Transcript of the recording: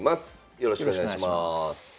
よろしくお願いします。